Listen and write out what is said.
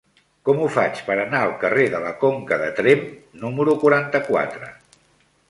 Com ho faig per anar al carrer de la Conca de Tremp número quaranta-quatre?